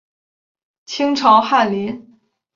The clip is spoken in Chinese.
清朝翰林。